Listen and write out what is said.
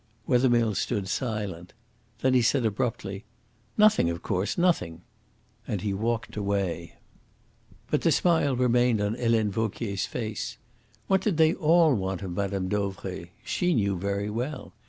Wethermill stood silent. Then he said abruptly: "Nothing, of course; nothing." And he walked away. But the smile remained on Helene Vauquier's face. What did they all want of Mme. Dauvray? She knew very well.